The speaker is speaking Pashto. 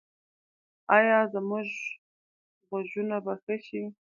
ایا زما غوږونه به ښه شي؟